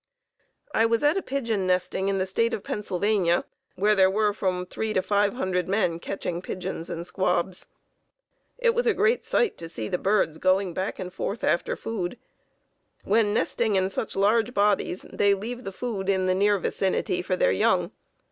I was at a pigeon nesting in the State of Pennsylvania where there were from three to five hundred men catching pigeons and squabs. It was a great sight to see the birds going back and forth after food. When nesting in such large bodies, they leave the food in the near vicinity for their young.